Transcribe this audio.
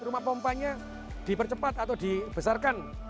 rumah pompanya dipercepat atau dibesarkan